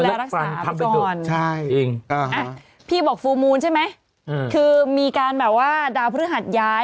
เออมันก็ต้องคันราคาอย่างนี้เนอะ